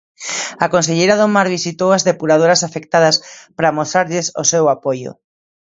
A conselleira do Mar visitou as depuradoras afectadas para amosarlles o seu apoio.